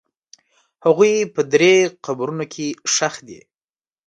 هغوی په درې قبرونو کې ښخ دي.